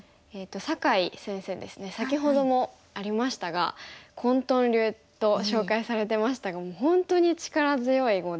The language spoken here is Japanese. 先ほどもありましたが混沌流と紹介されてましたがもう本当に力強い碁で。